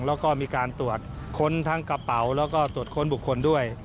แล้วก็มีการตรวจค้นทั้งกระเป๋าแล้วก็ตรวจค้นบุคคลด้วย